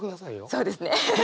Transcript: そうですね。